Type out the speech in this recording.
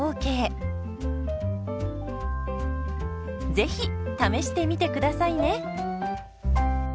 ぜひ試してみてくださいね。